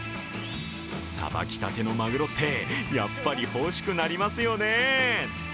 さばきたてのマグロってやっぱり欲しくなりますよね。